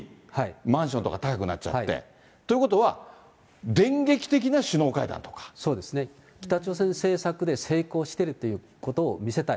マンションとか高くなっちゃって。ということは、そうですね、北朝鮮政策で成功してるということを見せたい。